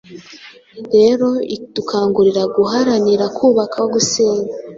rero idukangurira guharanira kubaka aho gusenya.